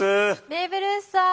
ベーブ・ルースさん！